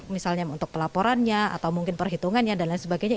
misalnya untuk pelaporannya atau mungkin perhitungannya dan lain sebagainya